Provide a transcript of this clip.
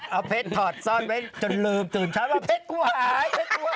เอาเพชรถอดซ่อนไว้จนลืมถึงช้อนว่าเพชรกลัวหาย